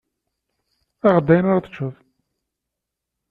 Aɣ-d ayen ara teččeḍ.